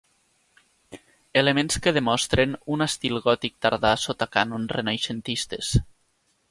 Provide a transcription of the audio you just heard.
Elements que demostren un estil gòtic tardà sota cànons renaixentistes.